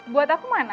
buat aku mau anak apa